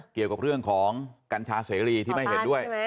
เกี่ยวกับเรื่องของกัญชาเสรีที่ไม่เห็นด้วย